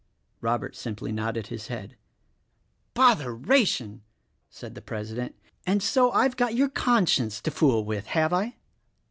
Robert simply nodded his head. "Botheration!" said the president, "and so I've got your conscience to fool with, have I?